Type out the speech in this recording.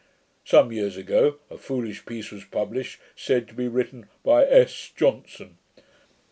Some years ago a foolish piece was published, said to be written "by S. Johnson".